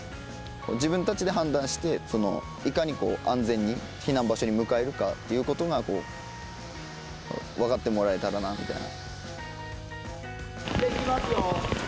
自分たちで判断していかにこう安全に避難場所に向かえるかっていうことが分かってもらえたらなみたいな。